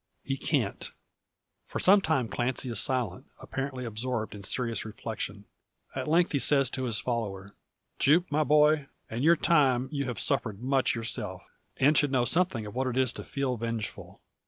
"He can't." For some time Clancy is silent, apparently absorbed in serious reflection. At length, he says to his follower: "Jupe, my boy, in your time you have suffered much yourself, and should know something of what it is to feel vengeful.